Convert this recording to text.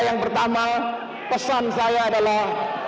yang pertama pesan saya adalah